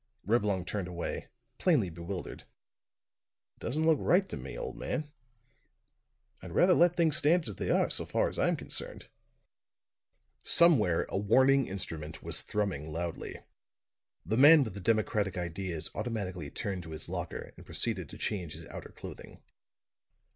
Reblong turned away, plainly bewildered. "It doesn't look right to me, old man. I'd rather let things stand as they are, so far as I'm concerned." Somewhere a warning instrument was thrumming loudly. The man with the democratic ideas automatically turned to his locker, and proceeded to change his outer clothing.